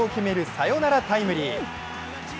サヨナラタイムリー。